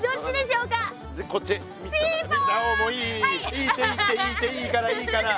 いいっていいっていいっていいからいいから！